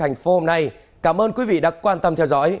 thành phố hôm nay cảm ơn quý vị đã quan tâm theo dõi